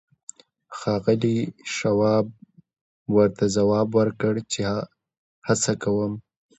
ښاغلي شواب ورته ځواب ورکړ چې هڅه کوم